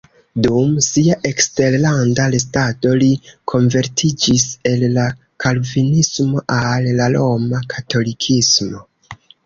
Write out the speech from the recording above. Dum sia eksterlanda restado li konvertiĝis el la kalvinismo al la roma katolikismo.